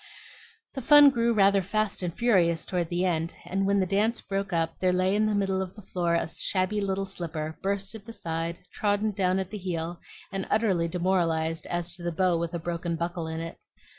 The fun grew rather fast and furious toward the end, and when the dance broke up there lay in the middle of the floor a shabby little slipper, burst at the side, trodden down at the heel, and utterly demoralized as to the bow with a broken buckle in it.